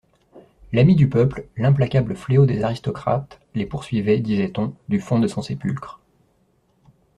L'Ami du peuple, l'implacable fléau des aristocrates, les poursuivait, disait-on, du fond de son sépulcre.